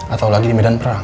atau lagi di medan perang